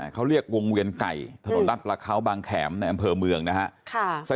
เขาเรียกวงเวียนไก่ถนนรัฐประเขาบางแขมในอำเภอเมืองนะครับ